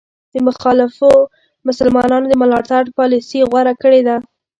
د مخالفو مسلمانانو د ملاتړ پالیسي غوره کړې ده.